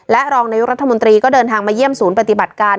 และรองนายกรัฐมนตรีก็เดินทางมาเยี่ยมศูนย์ปฏิบัติการ